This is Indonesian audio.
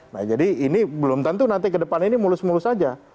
nah jadi ini belum tentu nanti ke depan ini mulus mulus saja